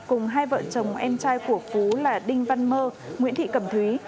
cùng hai vợ chồng em trai của phú là đinh văn mơ nguyễn thị cẩm thúy